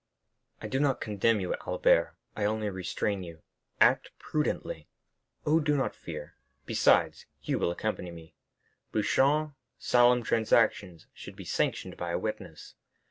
"I do not condemn you, Albert; I only restrain you. Act prudently." "Oh, do not fear; besides, you will accompany me. Beauchamp, solemn transactions should be sanctioned by a witness.